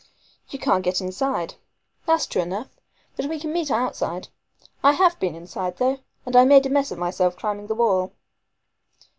"You can't get inside." "That's true enough. But we can meet outside. I have been inside though, and I made a mess of myself climbing the wall."